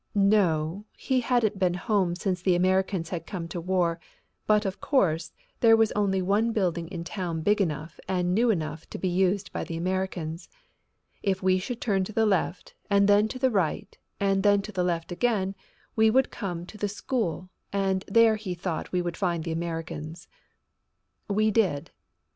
No, he hadn't been home since the Americans had come to war, but, of course, there was only one building in town big enough and new enough to be used by the Americans. If we should turn to the left and then to the right and then to the left again we would come to the school and there he thought we would find the Americans. We did.